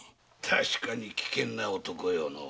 確かに危険な男よのう。